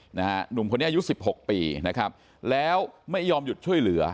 หนุ่มคนนี้อายุสิบหกปีนะครับแล้วไม่ยอมหยุดช่วยเหลือ